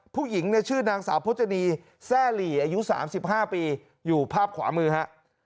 ผู้หญิงเนี่ยชื่อนางสาวพจนีแซ่หลีอายุ๓๕ปีอยู่ภาพขวามือฮะ